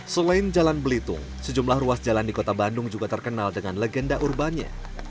selain jalan belitung sejumlah ruas jalan di kota bandung juga terkenal dengan legenda urbannya